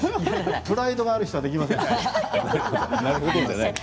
プライドがある人はできませんね。